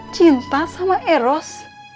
cinta sama eros